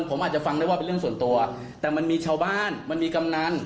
ผมอาจจะฟังได้ว่าเป็นเรื่องส่วนตัวแต่มันมีชาวบ้านมันมีกำนัน